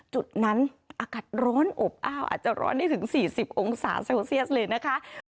จุดนั้นอากาศร้อนอบอ้าวอาจจะร้อนได้ถึง๔๐องศาเซลเซียสเลยนะคะ